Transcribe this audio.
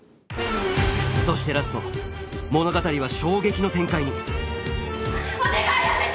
そしてラスト物語は衝撃の展開にお願いやめて！